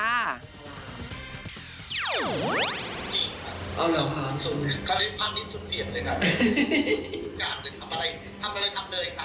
อันนี้บอกพี่โพธใช่ไหมคะ